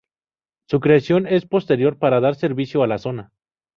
Su creación es posterior para dar servicio a la zona.